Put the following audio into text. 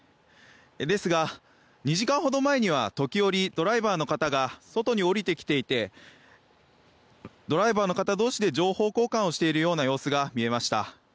ですが、２時間ほど前には時折ドライバーの方が外に降りてきていてドライバーの方同士で情報交換をしているような様子が見えました。